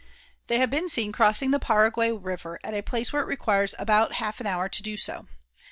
They have been seen crossing the Paraguay river at a place where it requires about a half hour to do so.